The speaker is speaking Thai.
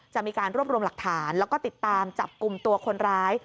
จะมีการรวบรวมหลักฐานแล้วก็ติดตามจับกลุ่มตัวคนร้าย